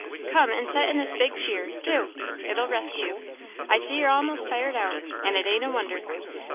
Come and set in this big cheer do! it'll rest you; I see you're a'most tired out, and it ain't a wonder.